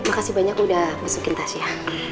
makasih banyak udah besokin tasya